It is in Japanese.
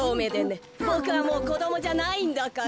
ボクはもうこどもじゃないんだから。